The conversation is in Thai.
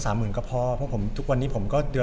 ผมว่า๓หมื่นก็พอเพราะว่าทุกวันนี้ผมเดือนละ๑๕๐๐๐ก็พอแล้ว